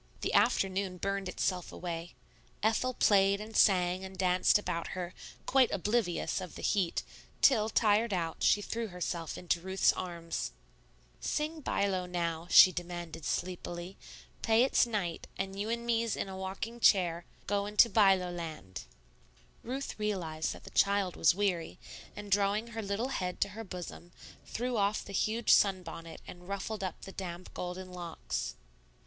The afternoon burned itself away. Ethel played and sang and danced about her, quite oblivious of the heat, till, tired out, she threw herself into Ruth's arms. "Sing by low now," she demanded sleepily; "pay it's night, and you and me's in a yockin' chair goin' to by low land." Ruth realized that the child was weary, and drawing her little head to her bosom, threw off the huge sunbonnet and ruffled up the damp, golden locks.